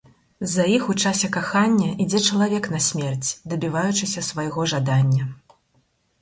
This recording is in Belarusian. За іх у часе кахання ідзе чалавек на смерць, дабіваючыся свайго жадання.